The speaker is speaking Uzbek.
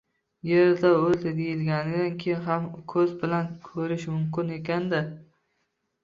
Yerda “o‘ldi” deyilganidan keyin ham ko‘z bilan ko‘rish mumkin ekan-da